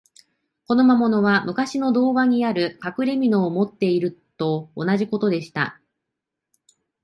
この魔物は、むかしの童話にある、かくれみのを持っているのと同じことでした。